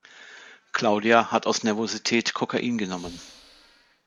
Claudia hat aus Nervosität Kokain genommen.